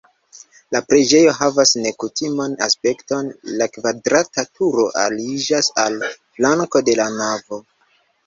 La preĝejo havas nekutiman aspekton, la kvadrata turo aliĝas al flanko de la navo.